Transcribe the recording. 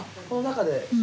この中で？